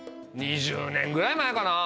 ２０年ぐらい前かな。